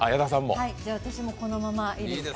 私もこのままいいですか？